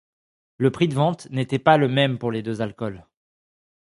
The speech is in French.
Le prix de vente n'était pas le même pour les deux alcools.